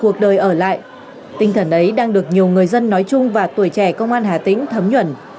cuộc đời ở lại tinh thần ấy đang được nhiều người dân nói chung và tuổi trẻ công an hà tĩnh thấm nhuẩn